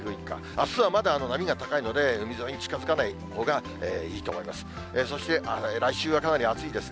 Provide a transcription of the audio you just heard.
あすはまだ波が高いので、海沿いに近づかないほうがいいと思います。